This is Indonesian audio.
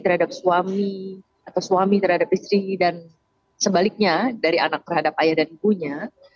terhadap suami atau suami terhadap istri dan sebaliknya dari anak terhadap ayah dan ibunya